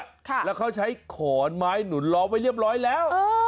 เขายังไม่ให้ขอนไม้หร่อมไปเรียบร้อยแล้ว